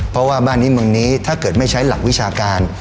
เพราะว่าบ้านนี้เมืองนี้ถ้าเกิดไม่ใช้หลักวิชาการ